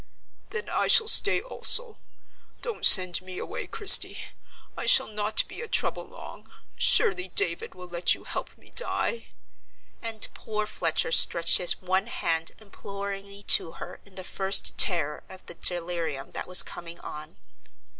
"Then I shall stay also. Don't send me away, Christie: I shall not be a trouble long; surely David will let you help me die?" and poor Fletcher stretched his one hand imploringly to her in the first terror of the delirium that was coming on.